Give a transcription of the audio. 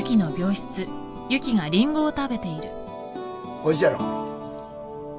おいしいやろ？